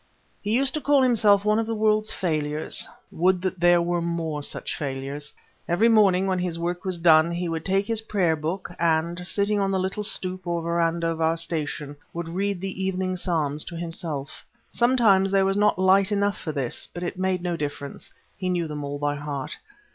He used to call himself one of the world's failures. Would that there were more such failures. Every morning when his work was done he would take his prayer book and, sitting on the little stoep or verandah of our station, would read the evening psalms to himself. Sometimes there was not light enough for this, but it made no difference, he knew them all by heart.